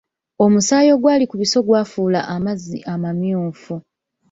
Omusaayi ogwali ku biso gwafuula amazzi amamyufu.